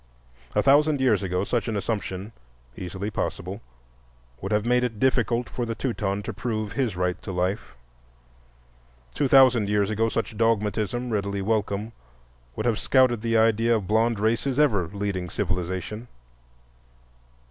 A thousand years ago such an assumption, easily possible, would have made it difficult for the Teuton to prove his right to life. Two thousand years ago such dogmatism, readily welcome, would have scouted the idea of blond races ever leading civilization.